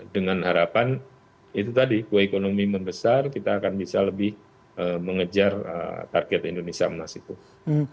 dengan harapan itu tadi kue ekonomi membesar kita akan bisa lebih mengejar target indonesia emas itu